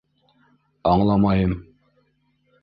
—Аңламайым...